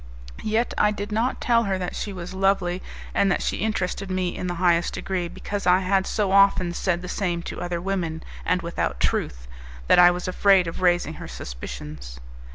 Yet I did not tell her that she was lovely and that she interested me in the highest degree, because I had so often said the same to other women, and without truth, that I was afraid of raising her suspicions.